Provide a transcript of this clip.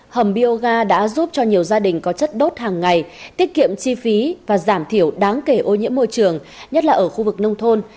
hầm bioga đã giúp cho nhiều gia đình có chất đốt hàng ngày tiết kiệm chi phí và giảm thiểu đáng kể ô nhiễm môi trường nhất là ở khu vực nông thôn